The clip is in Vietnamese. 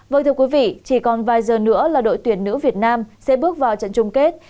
vâng thưa quý vị chỉ còn vài giờ nữa là đội tuyển nữ việt nam sẽ bước vào trận chung kết